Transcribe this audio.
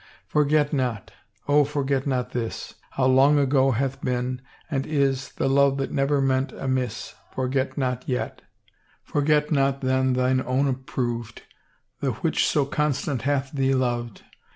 Forget not I Oh, forget not this! — How long ago hath been, and is. The love that never meant amiss — Forget not yetl Forget not then thine own approved, The which so constant hath thee loved.